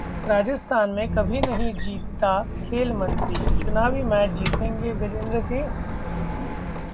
राजस्थान में कभी नहीं जीता खेलमंत्री, चुनावी मैच जीतेंगे गजेंद्र सिंह?